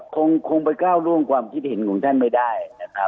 คงไปก้าวร่วงความคิดเห็นของท่านไม่ได้นะครับ